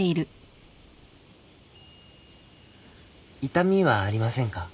痛みはありませんか？